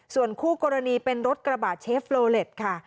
ส่วนคู่กรณีเป็นรถกระบะเชฟโลเล็ตค่ะ